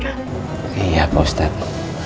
iya pak ustadz